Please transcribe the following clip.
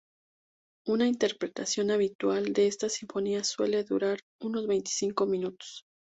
Una interpretación habitual de esta sinfonía suele durar unos veinticinco minutos.